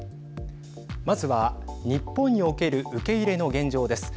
まずは、日本における受け入れの現状です。